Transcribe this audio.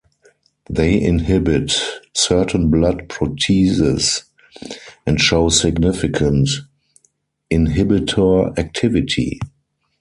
They inhibit certain blood proteases and show significant inhibitor activity.